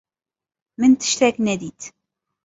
Min tiştek nedît.